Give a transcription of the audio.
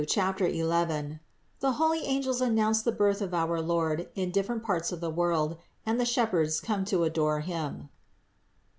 CHAPTER XL THE HOLY ANGELS ANNOUNCE THE BIRTH OF OUR LORD IN DIFFERENT PARTS OF THE WORLD, AND THE SHEP HERDS COME TO ADORE HIM.